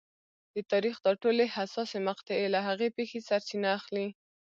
د تاریخ دا ټولې حساسې مقطعې له هغې پېښې سرچینه اخلي.